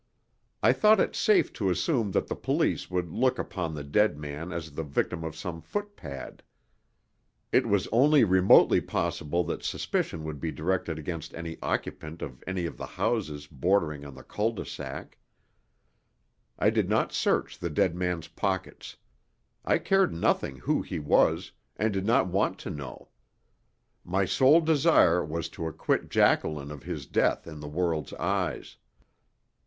I thought it safe to assume that the police would look upon the dead man as the victim of some footpad. It was only remotely possible that suspicion would be directed against any occupant of any of the houses bordering on the cul de sac. I did not search the dead man's pockets. I cared nothing who he was, and did not want to know. My sole desire was to acquit Jacqueline of his death in the world's eyes.